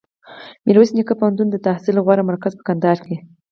میرویس نیکه پوهنتون دتحصل غوره مرکز په کندهار کي